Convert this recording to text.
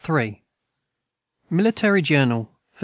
L. MILITARY JOURNAL FOR 1758.